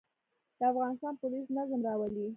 د افغانستان پولیس نظم راولي